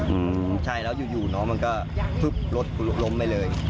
อืมใช่แล้วอยู่อยู่น้องมันก็ฟึ๊บรถล้มไปเลย